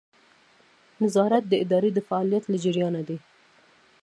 نظارت د ادارې د فعالیت له جریانه دی.